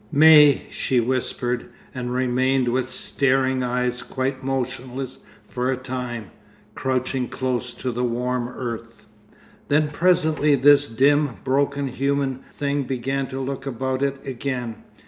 'Mais!' she whispered, and remained with staring eyes quite motionless for a time, crouching close to the warm earth. Then presently this dim, broken human thing began to look about it again.